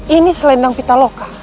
ini selendang pitaloka